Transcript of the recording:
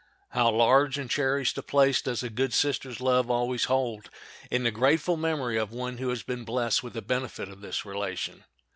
How large and cherished a place does a good sister's love always hold in the grateful memory of one who has been blessed with the benefit of this relation!